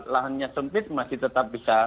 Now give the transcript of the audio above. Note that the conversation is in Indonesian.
lahannya sempit masih tetap besar